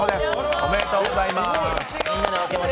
おめでとうございます。